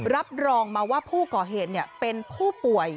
รับรองมาว่าผู้ก่อเหตุเป็นผู้ป่วย